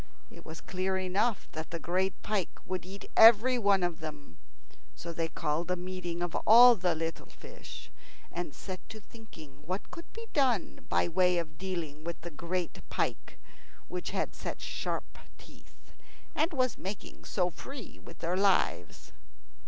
It was clear enough that the great pike would eat everyone of them. So they called a meeting of all the little fish, and set to thinking what could be done by way of dealing with the great pike, which had such sharp teeth and was making so free with their lives.